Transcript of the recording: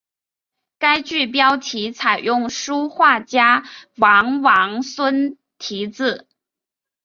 该剧标题采用书画家王王孙题字。